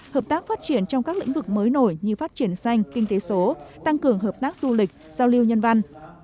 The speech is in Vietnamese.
hợp tác phát triển trong các lĩnh vực mới nổi như phát triển xanh kinh tế số tăng cường hợp tác du lịch giao lưu nhân văn